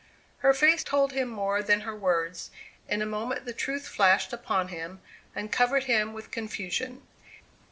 Her face told him more than her words. In a moment the truth flashed upon him, and covered him with confusion.